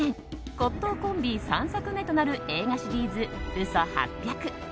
骨董コンビ３作目となる映画シリーズ「嘘八百」。